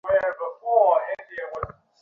সেটাই হবে যেটার শব্দ শুনেছি আমি।